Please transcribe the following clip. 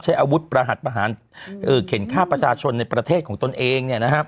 ใช้อาวุธประหัสประเข็นฆ่าประชาชนในประเทศของตนเอง